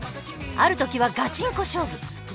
ある時はガチンコ勝負。